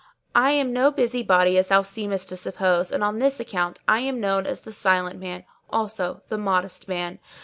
I am no busy body as thou seemest to suppose, and on this account I am known as The Silent Man, also, The Modest Man.